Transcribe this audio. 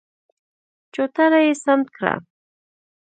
چوتره يې سمټ کړه.